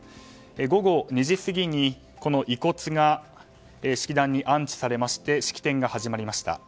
午後２時過ぎにこの遺骨が式壇に安置されまして式典が始まりました。